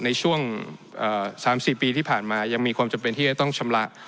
ในช่วง๓๔ปีที่ผ่านมายังมีความจำเป็นที่จะต้องชำระ